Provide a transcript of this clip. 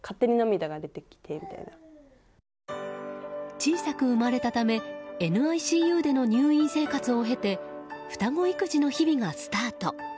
小さく生まれたためＮＩＣＵでの入院生活を経て双子育児の日々がスタート。